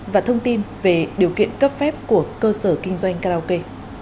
và thông tin về điều kiện cấp phép của cơ sở kinh doanh karaoke